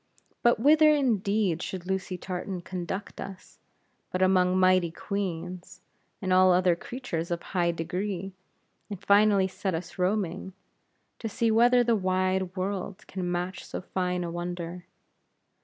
But whither indeed should Lucy Tartan conduct us, but among mighty Queens, and all other creatures of high degree; and finally set us roaming, to see whether the wide world can match so fine a wonder.